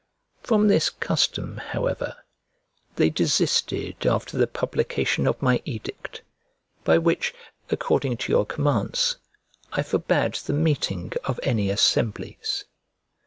From this custom, however, they desisted after the publication of my edict, by which, according to your commands, I forbade the meeting of any assemblies.